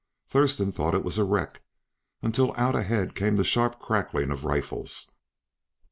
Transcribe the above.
Thurston thought it was a wreck, until out ahead came the sharp crackling of rifles.